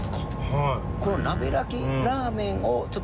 はい。